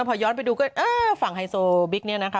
พอย้อดไปดูคือฝั่งไฮโซบิคนี่นะคะ